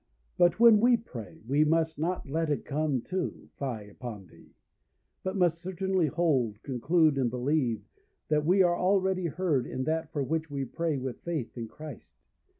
But when we pray, we must not let it come to, fie upon thee; but must certainly hold, conclude, and believe, that we are already heard in that for which we pray with faith in Christ.